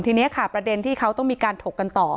ทีนี้ค่ะประเด็นที่เขาต้องมีการถกกันต่อ